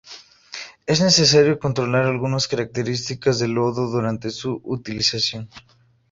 Es necesario controlar algunas características del lodo durante su utilización.